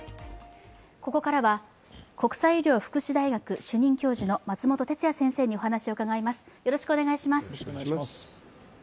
ここからは国際医療福祉大学主任教授の松本哲哉先生にお話を伺います。